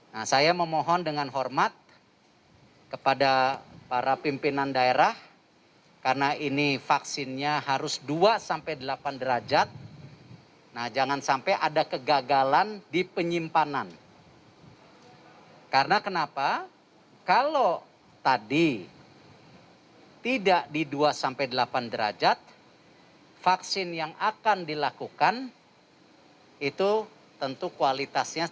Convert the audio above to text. vaksin yang akan dilakukan itu tentu kualitasnya sudah tidak sesuai